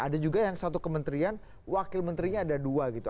ada juga yang satu kementerian wakil menterinya ada dua gitu